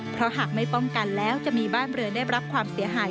เพราะหากไม่ป้องกันแล้วจะมีบ้านเรือนได้รับความเสียหาย